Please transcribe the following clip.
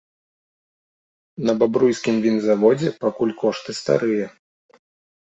На бабруйскім вінзаводзе пакуль кошты старыя.